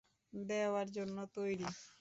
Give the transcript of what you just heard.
দেওয়ার জন্য তৈরি।